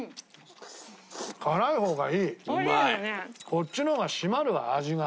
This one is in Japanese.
こっちの方が締まるわ味が。